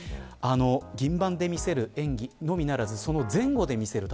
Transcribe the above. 銀盤で魅せる演技のみならずその前後で見せる